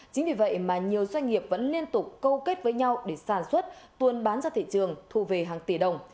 chính vì vậy mà nhiều doanh nghiệp vẫn liên tục câu kết với nhau để sản xuất buôn bán ra thị trường thu về hàng tỷ đồng